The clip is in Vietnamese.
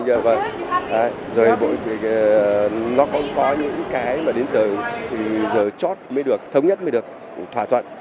rồi bởi vì nó cũng có những cái mà đến từ giờ chót mới được thống nhất mới được thỏa thuận